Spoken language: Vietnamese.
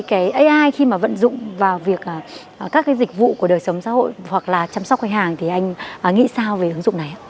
cái ai khi mà vận dụng vào việc các cái dịch vụ của đời sống xã hội hoặc là chăm sóc khách hàng thì anh nghĩ sao về ứng dụng này ạ